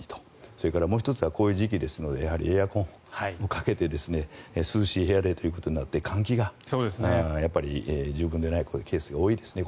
それからもう１つはこういう時期ですのでエアコンをかけて涼しい部屋でということになって換気が十分でないケースが多いと思いますね。